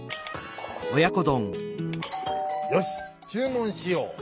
「よしちゅうもんしよう」。